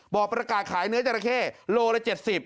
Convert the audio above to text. บอกประกาศขายเนื้อจาระเข้โลละ๗๐